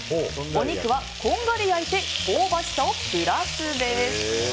お肉はこんがり焼いて香ばしさをプラスです。